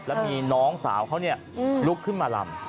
แล้วมีน้องสาวเขาลุกขึ้นมาลำ